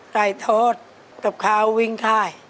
ไก่ทอดกับข้าววิ่งได้